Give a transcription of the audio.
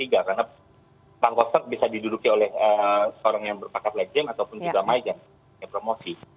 karena pak kostrat bisa diduduki oleh seorang yang berpakat legend ataupun juga major yang promosi